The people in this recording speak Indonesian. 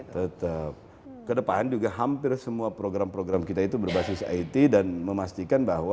tetap kedepan juga hampir semua program program kita itu berbasis it dan memastikan bahwa